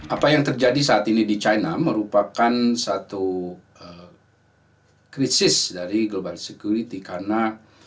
apa yang terjadi saat ini di china merupakan satu krisis dari global security karena